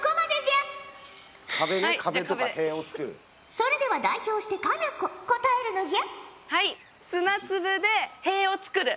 それでは代表して佳菜子答えるのじゃ！